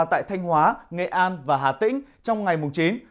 tại thanh hóa nghệ an và hà tĩnh trong ngày mùng chín